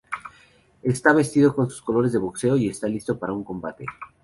Está vestido con sus colores de boxeo y está listo para un combate.